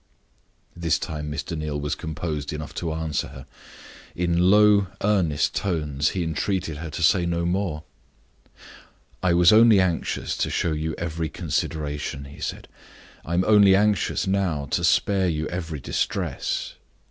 This time Mr. Neal was composed enough to answer her. In low, earnest tones, he entreated her to say no more. "I was only anxious to show you every consideration," he said. "I am only anxious now to spare you every distress."